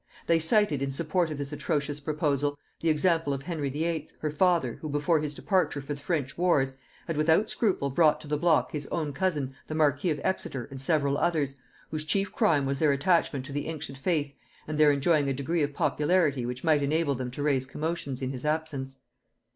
They cited in support of this atrocious proposal the example of Henry VIII. her father, who, before his departure for the French wars, had without scruple brought to the block his own cousin the marquis of Exeter and several others, whose chief crime was their attachment to the ancient faith and their enjoying a degree of popularity which might enable them to raise commotions in his absence.